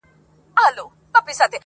لکه شرنګ پر ګودرونو د پاولیو -